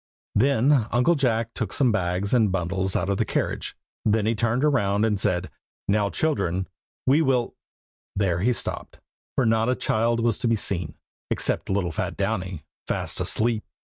Then Uncle Jack took some bags and bundles out of the carriage; then he turned round and said "Now, children, we will" There he stopped, for not a child was to be seen, except little fat Downy, fast asleep.